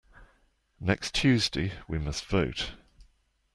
Next Tuesday we must vote.